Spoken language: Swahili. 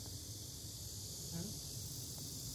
kama mateso ya unyanyasaji wa kila aina kwa wakristo wote